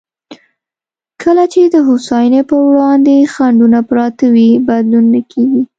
کله چې د هوساینې پر وړاندې خنډونه پراته وي، بدلون نه کېږي.